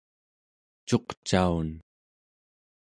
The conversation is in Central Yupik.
cuqcaun